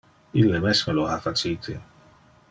Ille mesme lo ha facite.